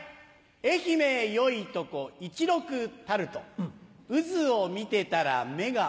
愛媛よいとこ一六タルト渦を見てたら目が回る。